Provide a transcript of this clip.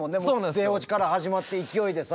出落ちから始まって勢いでさ。